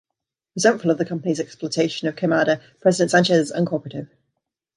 Resentful of the company's exploitation of Queimada, President Sanchez is uncooperative.